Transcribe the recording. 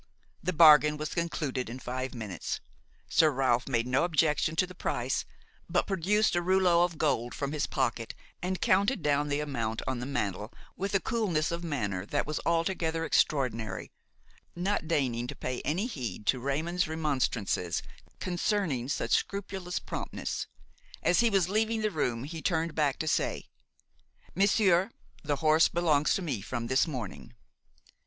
The bargain was concluded in five minutes; Sir Ralph made no objection to the price but produced a rouleau of gold from his pocket and counted down the amount on the mantel with a coolness of manner that was altogether extraordinary, not deigning to pay any heed to Raymon's remonstrances concerning such scrupulous promptness. As he was leaving the room, he turned back to say: "Monsieur, the horse belongs to me from this morning!"